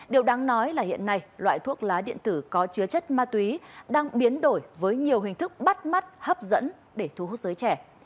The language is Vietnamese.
điều đáng nói là hiện nay loại thuốc lá điện tử có chứa chất ma túy đang biến đổi với nhiều hình thức bắt mắt hấp dẫn để thu hút giới trẻ